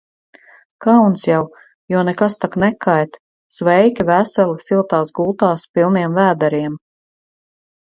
Kauns jau, jo nekas tak nekait – sveiki, veseli, siltās gultās, pilniem vēderiem.